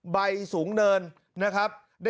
ใบสูงเนินนะครับ